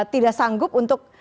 tidak sanggup untuk